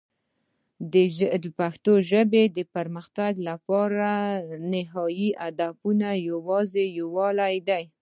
د پښتو ژبې د پرمختګ لپاره نهایي هدف یوازې یووالی دی.